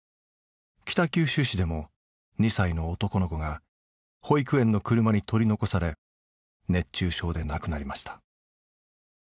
北九州市でも２歳の男の子が保育園の車に取り残され熱中症で亡くなりました。